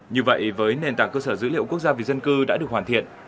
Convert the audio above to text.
như vậy với nền tảng cơ sở dữ liệu quốc gia về dân cư đã được hoàn thiện